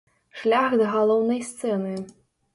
Шлях да галоўнай сцэны.